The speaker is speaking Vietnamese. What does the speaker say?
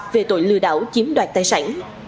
về tội lừa đảo chiếm đoạt tài sản